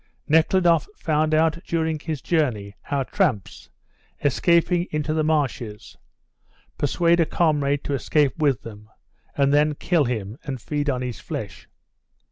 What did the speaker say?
Nekhludoff found out during his journey how tramps, escaping into the marshes, persuade a comrade to escape with them, and then kill him and feed on his flesh.